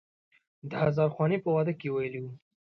د هزار خوانې په واده کې یې ویلی و.